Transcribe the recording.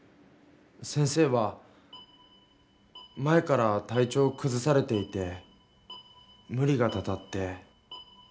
先生は前から体調をくずされていてむ理がたたって。